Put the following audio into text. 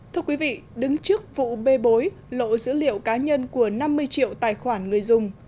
thưa quý vị đứng trước vụ bê bối lộ dữ liệu cá nhân của năm mươi triệu tài khoản người dùng